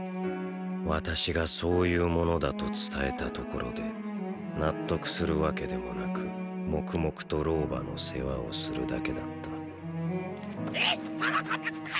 私が「そういうものだ」と伝えたところで納得するわけでもなく黙々と老婆の世話をするだけだったいっそのこと殺せっ！